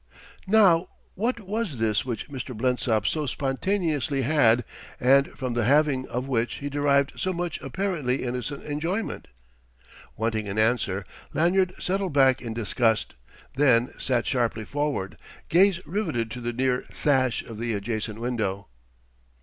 Now what was this which Mr. Blensop so spontaneously had, and from the having of which he derived so much apparently innocent enjoyment? Wanting an answer, Lanyard settled back in disgust, then sat sharply forward, gaze riveted to the near sash of the adjacent window.